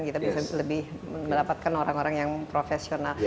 kita bisa lebih mendapatkan orang orang yang profesional